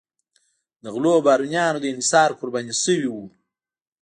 د غلو بارونیانو د انحصار قرباني شوي وو.